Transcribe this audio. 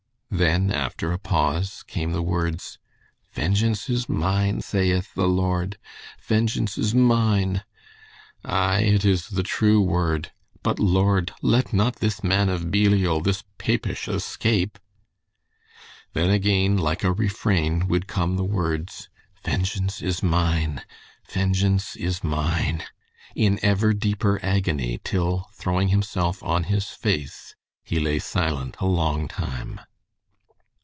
Then after a pause came the words, "'Vengeance is mine saith the Lord!' Vengeance is mine! Ay, it is the true word! But, Lord, let not this man of Belial, this Papish, escape!" Then again, like a refrain would come the words, "Vengeance is mine. Vengeance is mine," in ever deeper agony, till throwing himself on his face, he lay silent a long time.